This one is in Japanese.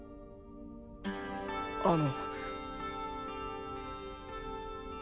あの。